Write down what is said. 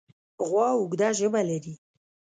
غوا اوږده ژبه لري.